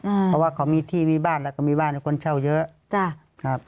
เพราะว่าเขามีที่มีบ้านแล้วก็มีบ้านให้คนเช่าเยอะจ้ะครับ